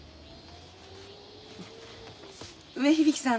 梅響さん